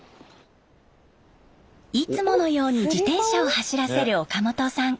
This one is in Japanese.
いつもように自転車を走らせる岡本さん。